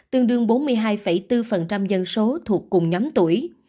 tương đương bốn mươi hai bốn dân số thuộc cùng nhóm tuổi